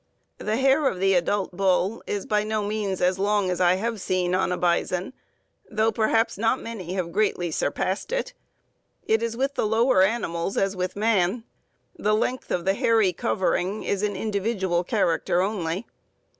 The hair of the adult bull is by no means as long as I have seen on a bison, although perhaps not many have greatly surpassed it. It is with the lower animals as with man the length of the hairy covering is an individual character only.